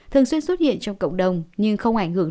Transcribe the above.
thường xuyên xuất hiện trong cộng đồng nhưng không ảnh hưởng